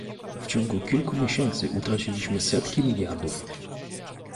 W ciągu kilku miesięcy utraciliśmy setki miliardów